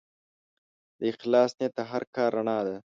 د اخلاص نیت د هر کار رڼا ده.